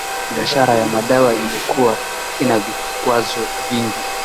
Biashara ya madawa ilikuwa ina vikwazo vingi